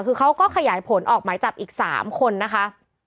คือเขาก็ขยายผลออกหมายจับอีก๓คนนะคะ